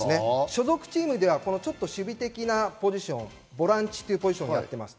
所属チームでは守備的なポジション、ボランチというポジションもやっています。